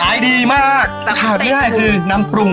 ใช่ดีมากค่ะเพื่อให้คือน้ำปรุง